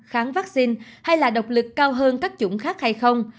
kháng vắc xin hay là độc lực cao hơn các chủng khác hay không